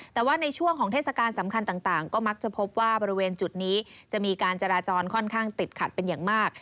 แต่ว่าในช่วงของเทศกาลสำคัญต่างก็มักจะพบว่าบริเวณจุดนี้จะมีการจราจรค่อนข้างติดขัดเป็นอย่างมาก